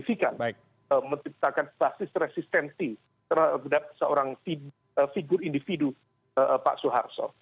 dan itu sangat signifikan menciptakan basis resistensi terhadap seorang figur individu pak soeharto